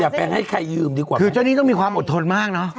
ไปให้ใครยืมดีกว่าคือเจ้าหนี้ต้องมีความอดทนมากเนอะ